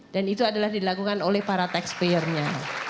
dan itu adalah dilakukan oleh para taxpayer nya